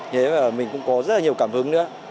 nhưng mà mình cũng có rất là nhiều cảm hứng nữa